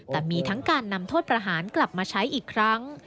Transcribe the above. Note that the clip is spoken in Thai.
แต่มีทั้งการนำโทษประหารกลับมาใช้อีกครั้ง